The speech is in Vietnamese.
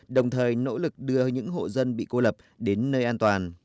đồng thời nỗ lực đưa những hộ dân bị cô lập đến nơi an toàn